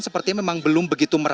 sepertinya memang belum begitu